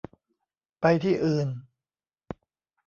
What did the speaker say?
ไปที่อื่น